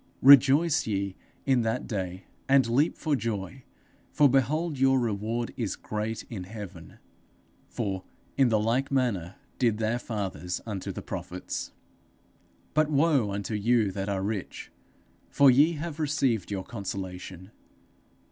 Rejoice ye in that day, and leap for joy, for behold your reward is great in heaven; for in the like manner did their fathers unto the prophets._ _'But woe unto you that are rich! for ye have received your consolation.